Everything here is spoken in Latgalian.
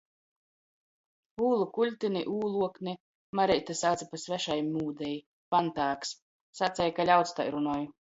Ūlu kuļtini, ūluokni Mareite sauce pa svešai mūdei - pantāgs. Saceja, ka ļauds tai runoj.